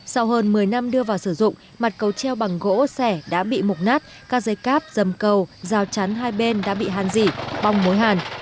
sau hơn một mươi năm đưa vào sử dụng mặt cầu treo bằng gỗ sẻ đã bị mục nát các dây cáp dầm cầu dao chắn hai bên đã bị hàn dỉ bong mối hàn